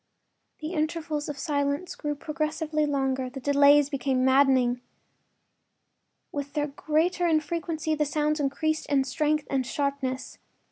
The intervals of silence grew progressively longer; the delays became maddening. With their greater infrequency the sounds increased in strength and sharpness.